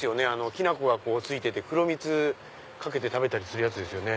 きな粉がついてて黒蜜かけて食べるやつですよね。